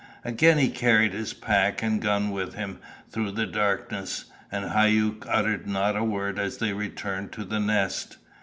Again he carried his pack and gun with him through the darkness, and Hauck uttered not a word as they returned to the Nest.